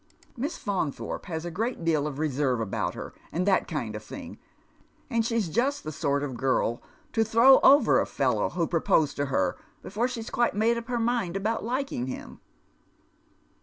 Miss Faunthorpe has a good deal of reeervo about her and that kind of thing, and she's just the sort of girl to throw over a fellow who proposed to her before she'd quite made up her mind about lildng him."